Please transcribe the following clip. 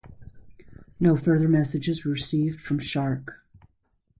No further messages were received from "Shark".